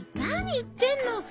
何言ってんの！